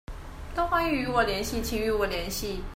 都歡迎與我聯繫請與我聯繫